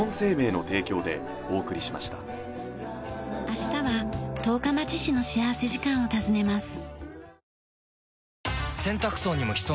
明日は十日町市の幸福時間を訪ねます。